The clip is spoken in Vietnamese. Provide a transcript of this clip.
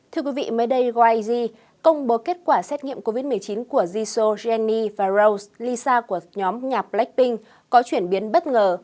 thưa quý vị mới đây yag công bố kết quả xét nghiệm covid một mươi chín của jiso geny và rose lisa của nhóm nhạc blackpink có chuyển biến bất ngờ